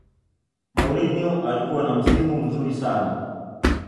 mourinho alikuwa na msimu mzuri sana